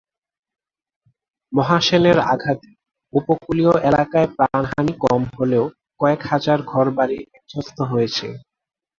মহাসেনের আঘাতে উপকূলীয় এলাকায় প্রাণহানি কম হলেও কয়েক হাজার ঘরবাড়ি বিধ্বস্ত হয়েছে।